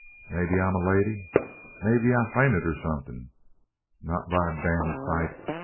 "Maybe I'm a lady? Maybe I've fainted or something? Not by a damned sight!